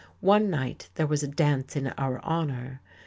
One night there was a dance in our honour.